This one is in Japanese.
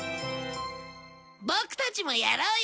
ボクたちもやろうよ。